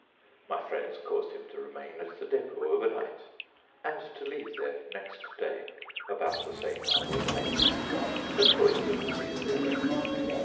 My friends caused him to remain at the Dépôt overnight, and to leave there next day about the same hour as I did a coincidence easily arranged.